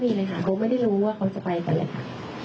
ไม่มีเลยค่ะก็ไม่ได้รู้ว่าเค้าจะไปกันเลยค่ะ